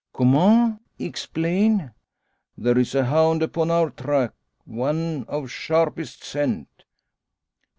"Comment? Explain!" "There's a hound upon our track! One of sharpest scent."